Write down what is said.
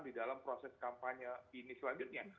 di dalam proses kampanye ini selanjutnya